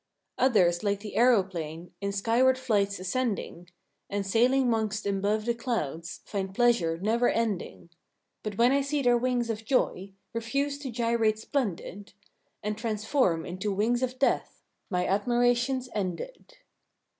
Others like the aeroplane, In sk5rward flights ascending; And sailing 'mongst and 'bove the clouds, Find pleasure never ending; But when I see their wings of joy. Refuse to gyrate splendid, And transform into wings of death. My admiration's ended.